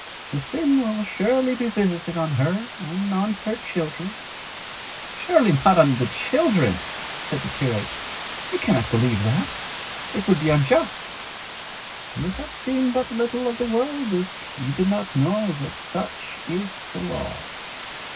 'The sin will surely be visited on her and on her children.' 'Surely not on the children,' said the curate. 'You cannot believe that. It would be unjust.' 'You have seen but little of the world if you do not know that such is the law.